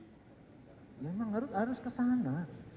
jadi ya memang harus ke sana